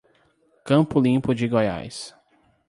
Campo Limpo de Goiás